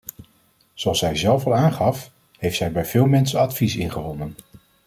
Zoals zij zelf al aangaf, heeft zij bij veel mensen advies ingewonnen.